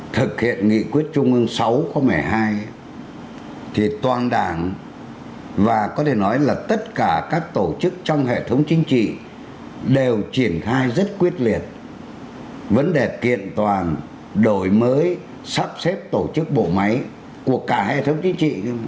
thực hiện nghị quyết trung ương sáu khóa một mươi hai thì toàn đảng và có thể nói là tất cả các tổ chức trong hệ thống chính trị đều triển khai rất quyết liệt vấn đề kiện toàn đổi mới sắp xếp tổ chức bộ máy của cả hệ thống chính trị